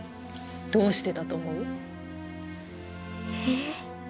どうしてだと思う？え？